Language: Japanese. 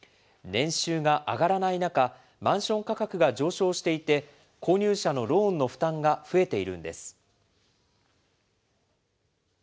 年収が上がらない中、マンション価格が上昇していて、購入者のローンの負担が増えているんです。